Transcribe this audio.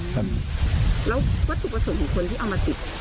แล้ววัตถุประสงค์ของคนที่เอามาติด